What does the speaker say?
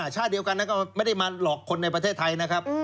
ชาติเดียวกันนั้นก็ไม่ได้มาหลอกคนในประเทศไทยนะครับ